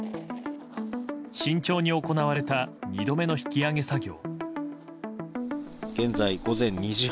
慎重に行われた２度目の引き揚げ作業。